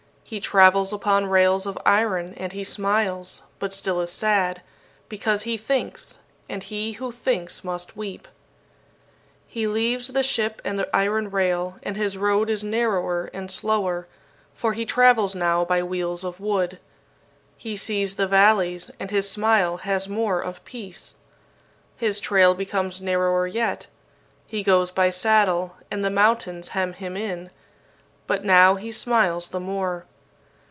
He travels upon rails of iron, and he smiles, but still is sad, because he thinks; and he who thinks must weep. He leaves the ship and the iron rail, and his road is narrower and slower, for he travels now by wheels of wood. He sees the valleys, and his smile has more of peace. His trail becomes narrower yet. He goes by saddle, and the mountains hem him in, but now he smiles the more.